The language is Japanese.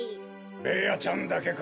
ベーヤちゃんだけか？